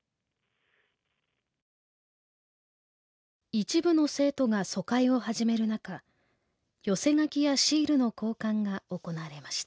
一部の生徒が疎開を始める中寄せ書きやシールの交換が行われました。